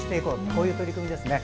こういう取り組みですね。